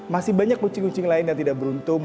masih banyak kucing kucing lain yang tidak beruntung